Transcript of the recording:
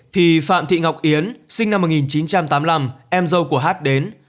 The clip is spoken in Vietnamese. thì phạm thị ngọc yến sinh năm một nghìn chín trăm tám mươi năm em dâu của hát đến